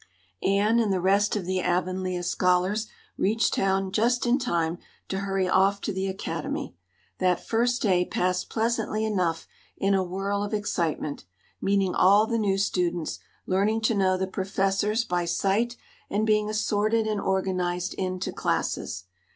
Anne and the rest of the Avonlea scholars reached town just in time to hurry off to the Academy. That first day passed pleasantly enough in a whirl of excitement, meeting all the new students, learning to know the professors by sight and being assorted and organized into classes.